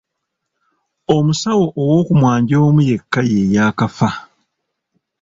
Omusawo ow'okumwanjo omu yekka ye yaakafa.